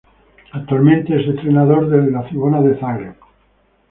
Actualmente es entrenador de la Cibona Zagreb.